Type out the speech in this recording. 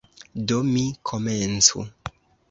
Do, mi komencu!